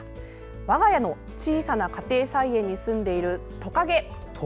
我が家の小さな家庭菜園にすんでいるトカゲ。